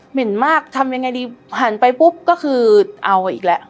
เห็นมากทำยังไงดีหันไปปุ๊บก็คือเอาอีกแล้ว